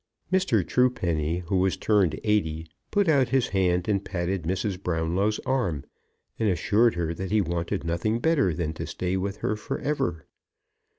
Mr. Truepeny, who was turned eighty, put out his hand and patted Mrs. Brownlow's arm, and assured her that he wanted nothing better than to stay with her for ever.